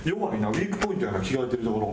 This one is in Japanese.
ウィークポイントやな着替えてるところ。